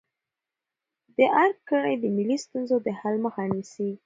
د ارګ کړۍ د ملي ستونزو د حل مخه نیسي.